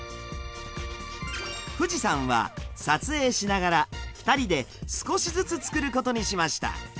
富士山は撮影しながら２人で少しずつ作ることにしました。